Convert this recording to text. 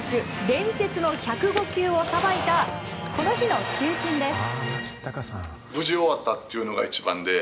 伝説の１０５球をさばいたこの日の球審です。